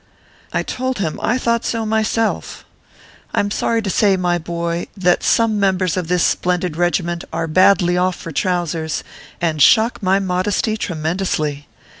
I told him I thought so myself. ORPHEUS C. KERB PAPERS. 45 I m sorry to say, my boy, that some members of this splendid regiment are badly off for trowsers, and shock my modesty tremendously.